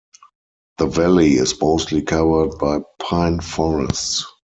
The valley is mostly covered by pine forests.